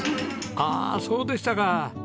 ああそうでしたか。